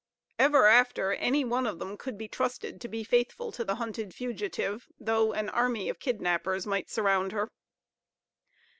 Ever after, any one of them could be trusted to be faithful to the hunted fugitive, though an army of kidnappers might surround her.